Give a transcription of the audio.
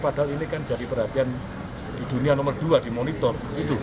padahal ini kan jadi perhatian di dunia nomor dua di monitor